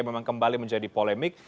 memang kembali menjadi polemik